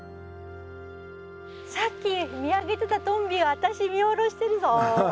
さっき見上げてたトンビ私見下ろしてるぞ。